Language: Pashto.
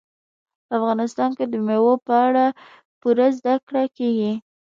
په افغانستان کې د مېوو په اړه پوره زده کړه کېږي.